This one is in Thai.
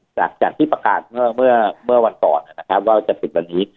จากที่ประกาศเมื่อวันก่อนนะครับว่าจะปิดวันนี้